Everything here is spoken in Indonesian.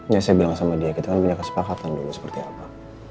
ya saya bilang sama dia kita kan punya kesepakatan dulu seperti apa